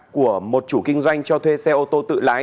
của một chủ kinh doanh cho thuê xe ô tô tự lái